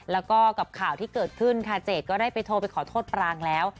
แล้วก็กับข่าวที่เกิดขึ้นค่ะเจดก็ได้ไปโทรไปขอโทษปรางแล้ว